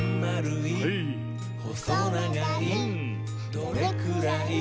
「どれくらい？